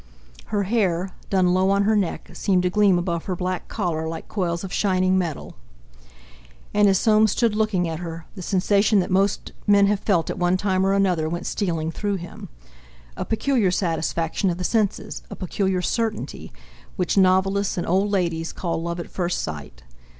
Her hair, done low on her neck, seemed to gleam above her black collar like coils of shining metal. And as Soames stood looking at her, the sensation that most men have felt at one time or another went stealing through him—a peculiar satisfaction of the senses, a peculiar certainty, which novelists and old ladies call love at first sight.